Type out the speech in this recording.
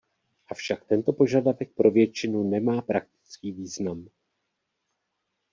Avšak tento požadavek pro většinu nemá praktický význam.